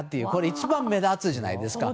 一番目立つじゃないですか。